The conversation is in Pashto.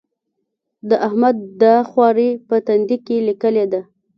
د احمد دا خواري په تندي کې ليکلې ده.